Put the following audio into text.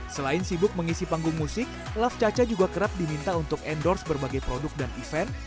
selain sibuk mengisi panggung musik laf caca juga kerap diminta untuk endorse berbagai produk dan event